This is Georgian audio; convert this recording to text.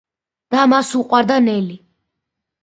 და მას უყვარდა ნელი